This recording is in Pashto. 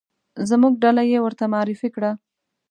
زموږ ډله یې ورته معرفي کړه.